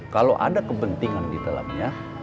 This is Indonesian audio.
kalau ada kepentingan di dalamnya